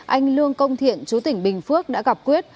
anh lương công thiện chú tỉnh bình phước đã gặp quyết